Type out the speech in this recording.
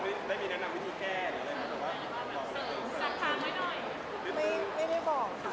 ไม่ได้บอกค่ะเดี๋ยวสิไม่ต้องคำ